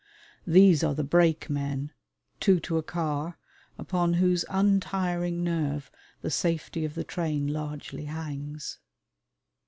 These are the brake men two to a car upon whose untiring nerve the safety of the train largely hangs.